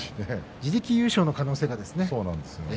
自力優勝の可能性がですね